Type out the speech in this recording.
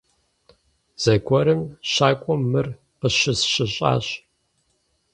Зэгуэрым щакӀуэм мыр къыщысщыщӀащ.